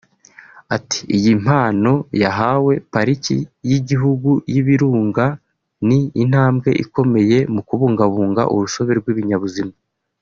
Ati “Iyi mpano yahawe Pariki y’Igihugu y’Ibirunga ni intambwe ikomeye mu kubungabunga urusobe rw’ibinyabuzima